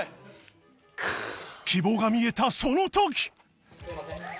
希望が見えたその時